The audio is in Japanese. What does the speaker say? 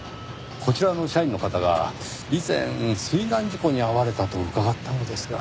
こちらの社員の方が以前水難事故に遭われたと伺ったのですが。